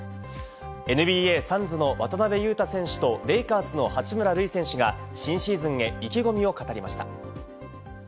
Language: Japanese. ＮＢＡ・サンズの渡邊雄太選手とレイカーズの八村塁選手が新シーズンへ意気込みを語りました。